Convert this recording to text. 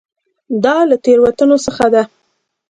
دا له تېروتنو څخه ده.